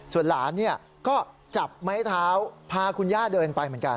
ส่วนหลานก็จับไม้เท้าพาคุณย่าเดินไปเหมือนกัน